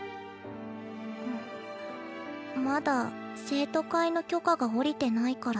んまだ生徒会の許可が下りてないから。